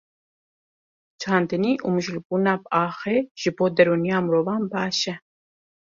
Çandinî û mijûlbûna bi axê ji bo derûniya mirovan baş e.